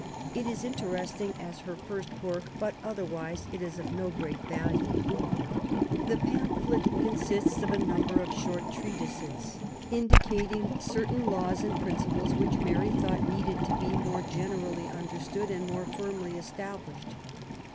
It is interesting as her first work^ but otherwise it is of no great value. The pamphlet consists of a number of short treatises^ indicating certain laws and principles which Mary thought needed to be more generally understood and more firmly established.